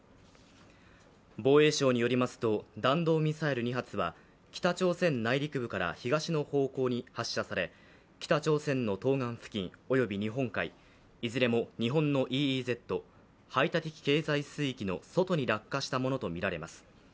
防衛省によりますと、弾道ミサイル２発は北朝鮮内陸部から東の方向に発射され北朝鮮の東岸付近および日本海いずれも日本のＥＥＺ＝排他的経済水域の外に落下したものとみられます。